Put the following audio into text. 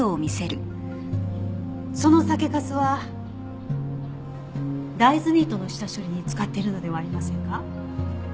その酒粕は大豆ミートの下処理に使っているのではありませんか？